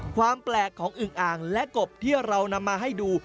ความแปลกของอึงอ่างและกบที่เรานำมาให้ดู